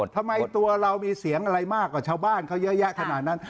ทำไมตัวเรามีเสียงอะไรมากกว่าชาวบ้านเขาเยอะแยะขนาดนั้น